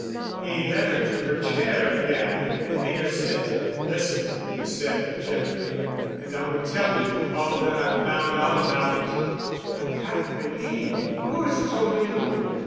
He led her to her chair again and made her sit. "Listen," he said gently, "and I will tell you all that I've found out about it——" "I can't believe—Who has told you?"